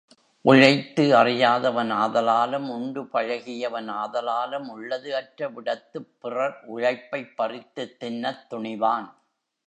உழைத்து அறியாதவன் ஆதலாலும், உண்டு பழகியவன் ஆதலாலும், உள்ளது அற்ற விடத்துப், பிறர் உழைப்பைப் பறித்துத் தின்னத் துணிவான்.